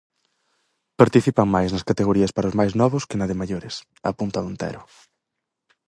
"Participan máis nas categoría para os máis novos que na de maiores", apunta Montero.